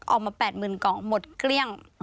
ออกมา๘๐๐๐๐กล่องหมดเครี่ยง